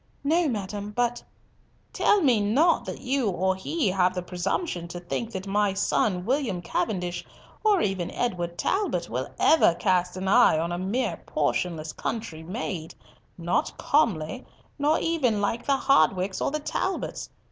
"No, madam, but—" "Tell me not that you or he have the presumption to think that my son William Cavendish or even Edward Talbot will ever cast an eye on a mere portionless country maid, not comely, nor even like the Hardwickes or the Talbots.